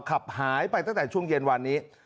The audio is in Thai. ขับหายไปตั้งแต่ช่วงเย็นวันนี้